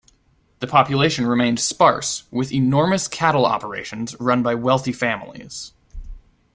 The population remained sparse, with enormous cattle operations run by wealthy families.